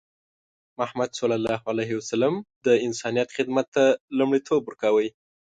محمد صلى الله عليه وسلم د انسانیت خدمت ته لومړیتوب ورکوله.